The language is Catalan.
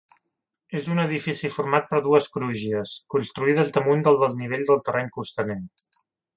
És un edifici format per dues crugies, construïdes damunt del desnivell del terreny costaner.